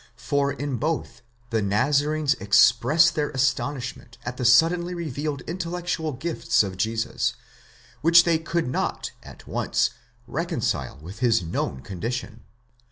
for in both, the Nazarenes express their astonishment at the suddenly revealed intellectual gifts of Jesus, which they could not at once reconcile with his known con dition.